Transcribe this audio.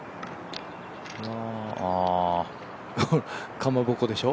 かまぼこでしょ？